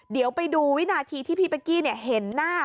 เดี๋ยวไปดูวินาทีที่พี่เป๊กกี้เห็นหน้า